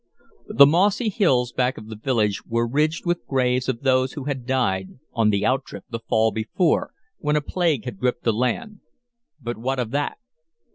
The mossy hills back of the village were ridged with graves of those who had died on the out trip the fall before, when a plague had gripped the land but what of that?